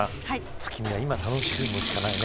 月見は今、楽しむしかないね。